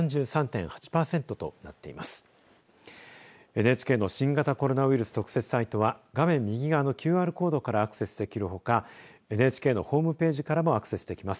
ＮＨＫの新型コロナウイルス特設サイトは画面右側のＱＲコードからアクセスできるほかＮＨＫのホームページからもアクセスできます。